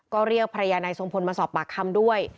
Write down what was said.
ก็เรียกภรรยานายทรงพลมาสอบปากคำด้วย